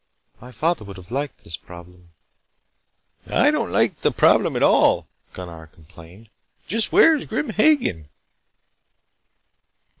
My father would have liked this problem " "I don't like the problem at all " Gunnar complained. "Just where is Grim Hagen?"